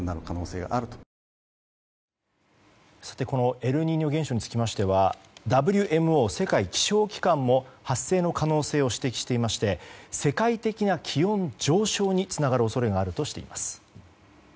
エルニーニョ現象につきましてはＷＭＯ・世界気象機関も発生の可能性を指摘していまして世界的な気温上昇につながる恐れがあるとしています。